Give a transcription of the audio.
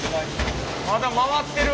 まだ回ってる。